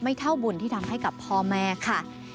เท่าบุญที่ทำให้กับพ่อแม่ค่ะ